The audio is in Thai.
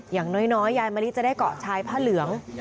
อย่างน้อยยายมะลิจะได้เกาะชายผ้าเหลือง